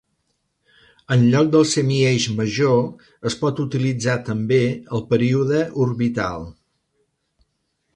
En lloc del semieix major es pot utilitzar també el període orbital.